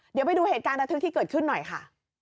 เดี๋ยวไปดูเหตุการณ์ระทึกที่เกิดขึ้นหน่อยค่ะ